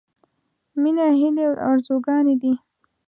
— مينه هيلې او ارزوګانې دي.